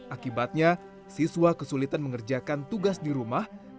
akibatnya siswa kesulitan mengerjakan tugasnya di kota madura